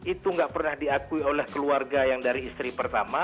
itu nggak pernah diakui oleh keluarga yang dari istri pertama